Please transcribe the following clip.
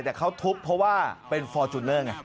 แต่เขาทุบเพราะว่าเป็นฟอร์จูเนอร์ไง